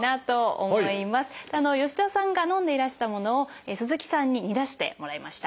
吉田さんがのんでいらしたものを鈴木さんに煮出してもらいました。